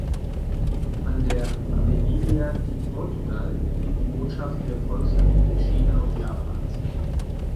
An der "Avenida de Portugal" liegen die Botschaften der Volksrepublik China und Japans.